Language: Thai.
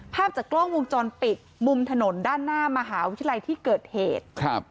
ภาพจากกล้องวงจรปิดมุมถนนด้านหน้ามหาวิทยาลัยที่เกิดเหตุครับ